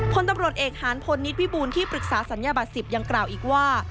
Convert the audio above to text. พลตำรวจเอกหานพลนิดวิบูลที่ปรึกษาศัลยบัตร๑๐ยังกล่าวอีกว่า